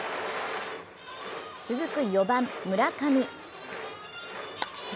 続く４番・村上。